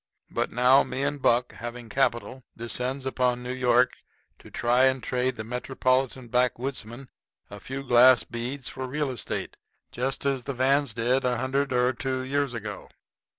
But now, me and Buck, having capital, descends upon New York to try and trade the metropolitan backwoodsmen a few glass beads for real estate just as the Vans did a hundred or two years ago.